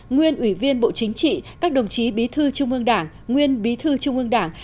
nguyên ủy viên bộ chính trị các đồng chí bí thư trung ương đảng nguyên bí thư trung ương đảng